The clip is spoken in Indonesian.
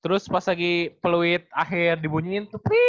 terus pas lagi peluit akhir dibunyiin tuh